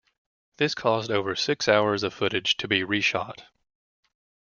This caused over six hours of footage to be re-shot.